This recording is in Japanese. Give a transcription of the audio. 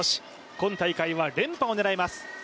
今大会は連覇を狙います。